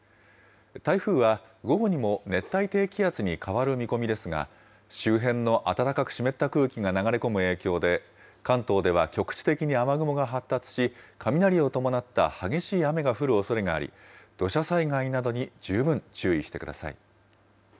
台風は午後にも熱帯低気圧に変わる見込みですが、周辺の暖かく湿った空気が流れ込む影響で、関東では局地的に雨雲が発達し、雷を伴った激しい雨が降るおそれがあり、土砂災害などに十分注意してください。